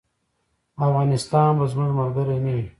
افغانستان به زموږ ملګری نه وي.